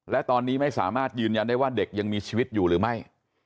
และตอนนี้ไม่สามารถยืนยันได้ว่าเด็กยังมีชีวิตอยู่หรือไม่